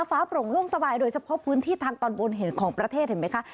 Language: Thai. โปร่งโล่งสบายโดยเฉพาะพื้นที่ทางตอนบนเห็นของประเทศเห็นไหมคะ